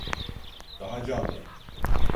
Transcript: Daha canlı!